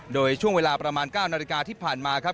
โดยช่วงเวลาประมาณ๙นาฬิกาที่ผ่านมาครับ